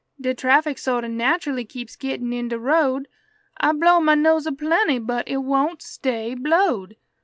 De traffic soht o' nacherly keeps gittin' in de road. I blow muh nose a plenty, but it won't stay blowed.